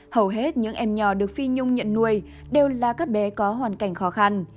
hầu hết những em nhỏ được phi nhung nhận nuôi đều là các bé có hoàn cảnh khó khăn